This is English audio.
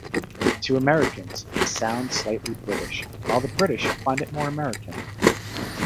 To Americans, it sounds slightly British, while the British find it more American.